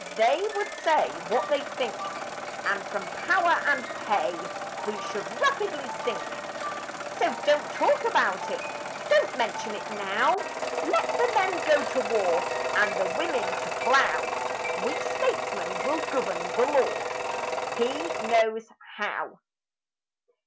They would say what they think; And from power and pay We should rapidly sink. So don't talk about it, Don't mention it now; Let the men go to war And the women to plough; We Statesmen will govern.... The Lord, He knows how!